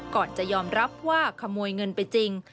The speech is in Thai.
ก่อนจะยอมรับว่าขโมยเงินไปจริง